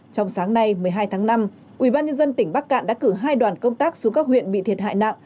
trong sáng nay một mươi hai tháng năm ubnd tỉnh bắc cạn đã cử hai đoàn công tác xuống các huyện bị thiệt hại nặng